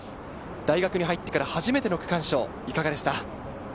大学に入ってから初めての区間賞はいかがですか？